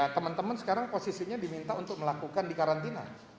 teman teman sekarang posisinya diminta untuk melakukan di karantina